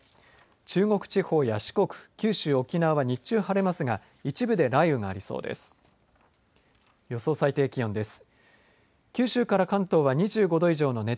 中国地方や四国、九州や沖縄は日中晴れますが一部で雷雨がありそうです。